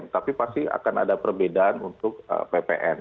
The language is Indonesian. tapi pasti akan ada perbedaan untuk ppn